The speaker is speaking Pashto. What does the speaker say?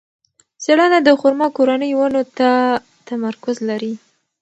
څېړنه د خورما کورنۍ ونو ته تمرکز لري.